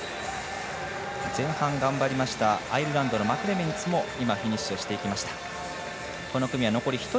前半頑張りましたアイルランドのマクレメンツもフィニッシュしていきました。